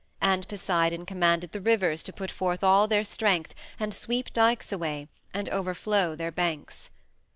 And Poseidon commanded the rivers to put forth all their strength, and sweep dykes away, and overflow their banks.